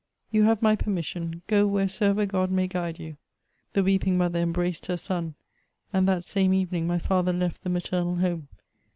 " You have my permission. Go wheresoever God may guide you." The weeping mother embraced her son, and that same evening my father left the maternal home.